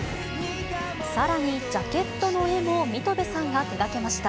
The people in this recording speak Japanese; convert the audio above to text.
さらに、ジャケットの絵も水戸部さんが手がけました。